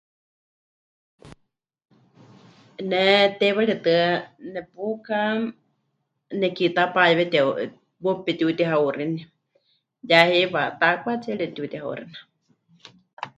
Ne teiwaritɨ́a nepuka, nekiitá payewe tihauxinaame muuwa pemɨtiutihauxini, ya heiwa taakwá tsiere netiutihauxina.